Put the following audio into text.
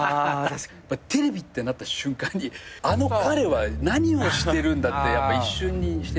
テレビってなった瞬間にあの彼は何をしてるんだって一瞬にして。